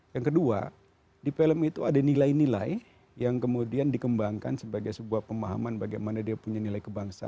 yang kedua di film itu ada nilai nilai yang kemudian dikembangkan sebagai sebuah pemahaman bagaimana dia punya nilai kebangsaan